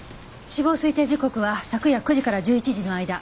死亡推定時刻は昨夜９時から１１時の間。